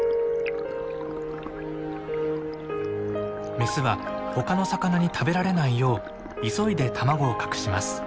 メスは他の魚に食べられないよう急いで卵を隠します。